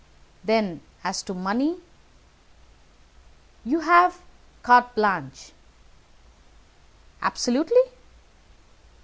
"Then, as to money?" "You have carte blanche." "Absolutely?"